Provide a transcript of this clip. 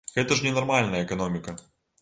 Гэта ж не нармальная эканоміка!